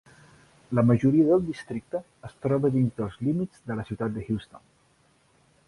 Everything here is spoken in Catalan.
La majoria del districte es troba dins dels límits de la ciutat de Houston.